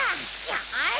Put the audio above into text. よし！